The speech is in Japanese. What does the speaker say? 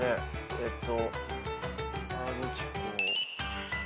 えっと。